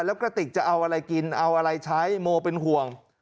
แล้วกระติกจะเอาอะไรกินเอาอะไรใช้โมเป็นห่วง